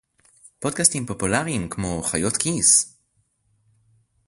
פודקאסטים פופולריים כמו חיות כיס